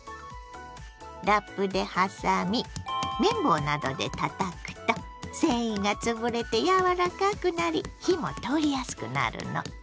ラップで挟み麺棒などでたたくと繊維がつぶれてやわらかくなり火も通りやすくなるの。